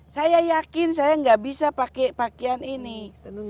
saya yakin saya tidak bisa pakai hal hal yang lain dan lain sebagainya